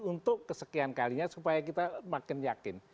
untuk kesekian kalinya supaya kita makin yakin